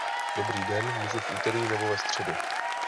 Dobrý den, můžu v úterý nebo ve středu.